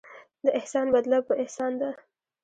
د احسان بدله په احسان ده.